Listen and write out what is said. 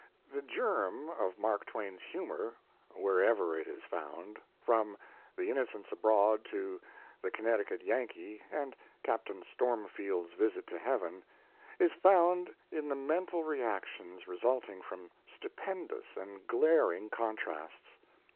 The germ of Mark Twain's humour, wherever it is found, from 'The Innocents Abroad' to 'The Connecticut Yankee' and 'Captain Stormfield's Visit to Heaven', is found in the mental reactions resulting from stupendous and glaring contrasts.